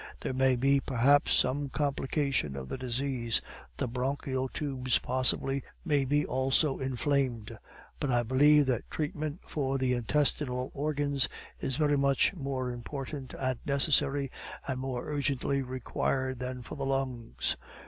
There may be, perhaps, some complication of the disease the bronchial tubes, possibly, may be also inflamed; but I believe that treatment for the intestinal organs is very much more important and necessary, and more urgently required than for the lungs.